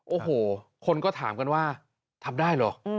โอ้โหคนก็ถามกันว่าทำได้เหรอ